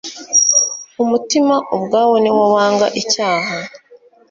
Umutima ubwawo ni wo wanga icyaha.